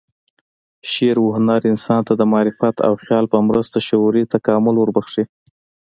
شعر و هنر انسان ته د معرفت او خیال په مرسته شعوري تکامل وربخښي.